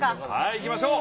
いきましょう。